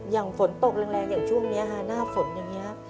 อย่างฝนตกแรงอย่างช่วงนี้ค่ะหน้าฝนอย่างนี้